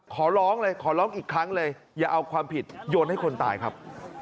ขอร้องเลยขอร้องอีกครั้งเลยอย่าเอาความผิดโยนให้คนตายครับ